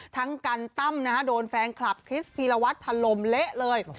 ทั้งกันตั้มนะฮะโดนแฟนคลับคริสพีรวัตรถล่มเละเลย